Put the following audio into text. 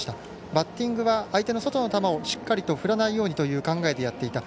バッティングは相手の外の球をしっかりと振らないようにという考えでやっていた。